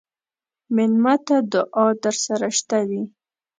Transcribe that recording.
مېلمه ته دعا درسره شته وي.